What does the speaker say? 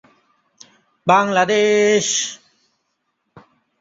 Bangladesh